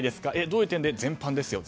どういう点？で全般ですよ。